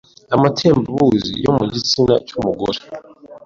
amatembabuzi yo mu gitsina cy’umugore